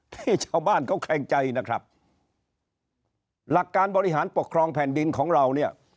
ที่ชาวบ้านเขาแขลงใจนะครับหลักการบริหารปกครองแผ่นดินของเราเนี่ย